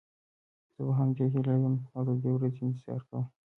زه هم په همدې هیله یم او د دې ورځې انتظار کوم.